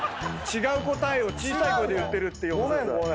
違う答えを小さい声で言ってる面白さ。